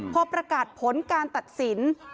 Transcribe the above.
พอประกาศผลการตัดสิน